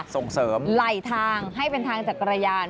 ส่งเสริมไหลทางให้เป็นทางจักรยาน